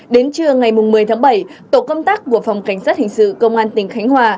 đến trưa ngày một mươi tháng bảy tổ công tác của phòng cảnh sát hình sự công an tỉnh khánh hòa